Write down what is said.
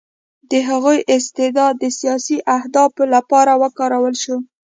د هغوی استعداد د سیاسي اهدافو لپاره وکارول شو